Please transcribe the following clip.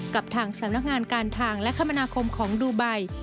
กับทางสำนักงานการทางและคมนาคมของดูไบ